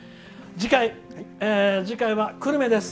次回は久留米です。